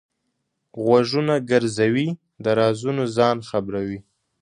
غوږونه ګرځوي؛ د رازونو ځان خبروي.